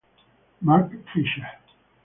Mark Fisher